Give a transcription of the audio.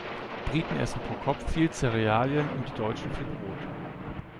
Briten essen pro Kopf viel Zerealien und die Deutschen viel Brot.